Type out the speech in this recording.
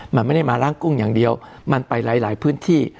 มันไม่ได้มาล้างกุ้งอย่างเดียวมันไปหลายพื้นที่